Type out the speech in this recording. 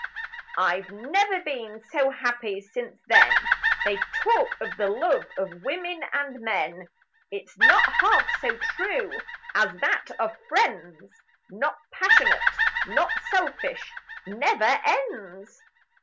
I've never been so happy since then: They talk of the love of women and men, It's not half so true as that of friends; Not passionate, not selfish, Never ends